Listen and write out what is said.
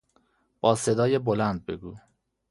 با صدای بلند بگو!